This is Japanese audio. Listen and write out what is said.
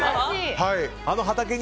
あの畑に？